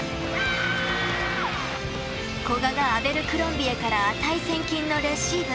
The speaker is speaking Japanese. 古賀がアベルクロンビエから値千金のレシーブ。